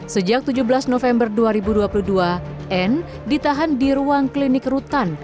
sejak tujuh belas november dua ribu dua puluh dua anne ditahan di ruang klinik rutan